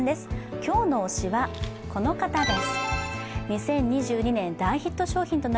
今日の推しは、この方です。